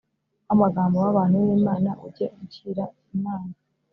w amagambo w abantu n Imana ujye ushyira Imana